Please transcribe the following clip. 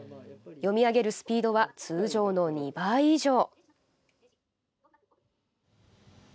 読み上げるスピードは通常の２倍以上。